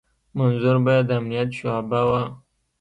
منظور به يې د امنيت شعبه وه.